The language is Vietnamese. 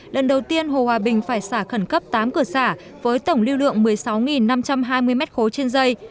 lần đầu tiên hồ hòa bình phải xả khẩn cấp tám cửa xả với tổng lưu lượng một mươi sáu năm trăm hai mươi m ba trên dây